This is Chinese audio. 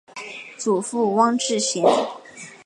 祖父汪志贤。